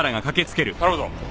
頼むぞ。